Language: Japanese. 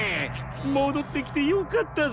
もどってきてよかったぜ。